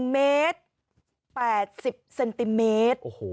๑เมตร๘๐เซนติเมตร